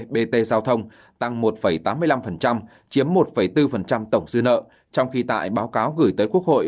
bt giao thông tăng một tám mươi năm chiếm một bốn tổng dư nợ trong khi tại báo cáo gửi tới quốc hội